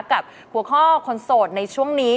กับหัวข้อคนโสดในช่วงนี้